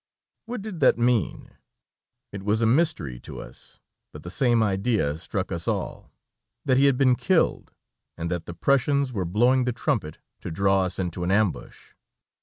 What did that mean? It was a mystery to us, but the same idea struck us all, that he had been killed, and that the Prussians were blowing the trumpet to draw us into an ambush.